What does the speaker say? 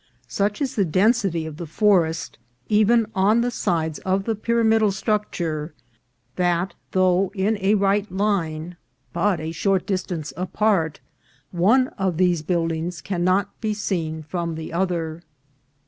Such is the density of the forest, even on the sides of the pyramidal structure, that, though in a right line 350 INCIDENTS OP TRAVEL. but a short distance apart, one of these buildings cannot be seen from the other.